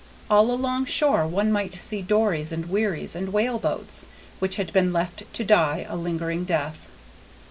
All along shore one might see dories and wherries and whale boats, which had been left to die a lingering death.